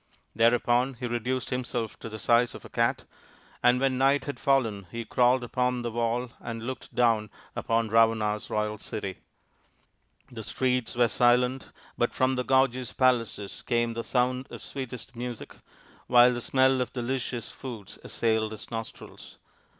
Thereupon he reduced himself to the size of a cat, and when night had fallen he crawled upon the wall and looked down upon Ravana's royal city. The streets were silent, but from the gorgeous palaces came the sound of sweetest music, while the smell of delicious foods assailed his nostrils.